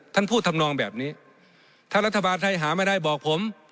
ท่านพูดทำนองแบบนี้ถ้ารัฐบาลไทยหาไม่ได้บอกผม